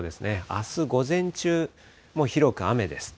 あす午前中も広く雨です。